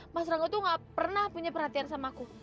mas rangga tuh gak pernah punya perhatian sama aku